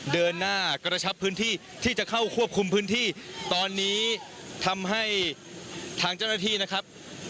เดินหน้ากระชับพื้นที่ที่จะเข้าควบคุมพื้นที่ตอนนี้ทำให้ทางเจ้าหน้าที่นะครับ